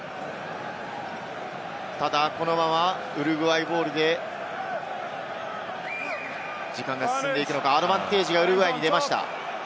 ただこのままウルグアイボールで時間が進んでいくのかアドバンテージがウルグアイに出ました。